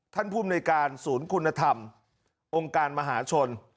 ภูมิในการศูนย์คุณธรรมองค์การมหาชน